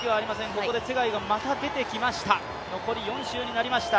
ここでツェガイがまた出てきました、残り４周になりました。